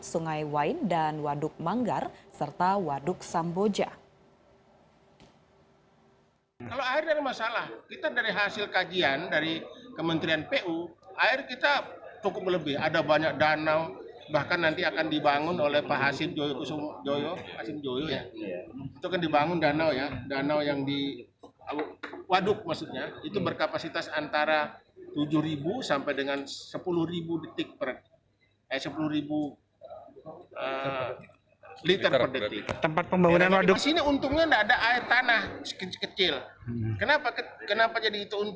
sungai wain dan waduk manggar serta waduk samboja